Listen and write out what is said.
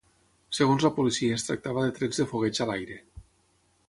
Segons la policia es tractava de trets de fogueig a l’aire.